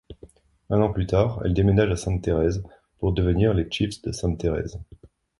Un an plus tard, elle déménage à Sainte-Thérèse pour devenir les Chiefs de Sainte-Thérèse.